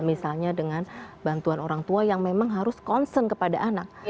misalnya dengan bantuan orang tua yang memang harus concern kepada anak